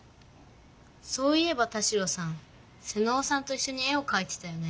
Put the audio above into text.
そういえば田代さん妹尾さんといっしょに絵をかいてたよね？